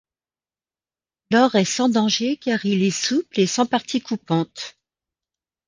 L'or est sans danger car il est souple et sans partie coupante.